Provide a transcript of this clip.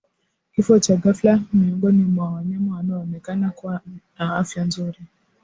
Kifo cha ghafla miongoni mwa wanyama wanaoonekana kuwa na afya nzuri